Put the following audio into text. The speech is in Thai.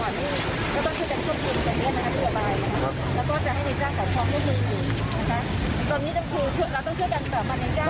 ให้จังหวัดที่มันจะเคยจะครบถูกแบบอย่างเนี้ยนะครับ